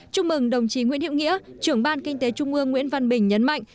chúc mừng đồng chí nguyễn hiệu nghĩa trưởng ban kinh tế trung ương nguyễn văn bình nhấn mạnh